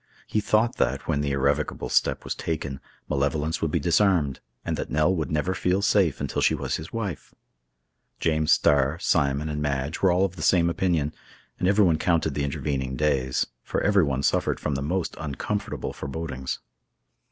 He thought that, when the irrevocable step was taken, malevolence would be disarmed, and that Nell would never feel safe until she was his wife. James Starr, Simon, and Madge, were all of the same opinion, and everyone counted the intervening days, for everyone suffered from the most uncomfortable forebodings.